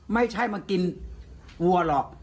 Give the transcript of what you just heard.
ไม่ใช่มากินวัวหรอก